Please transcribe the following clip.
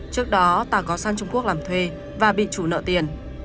trước đó tài có sang trung quốc làm thuê và bị chủ nợ tiền